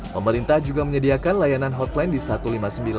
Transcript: pemerintah juga menyediakan layanan hotline di satu ratus lima puluh sembilan